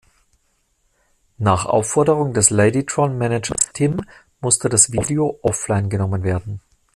Nach Aufforderung des Ladytron-Managers Tim musste das Video offline genommen werden.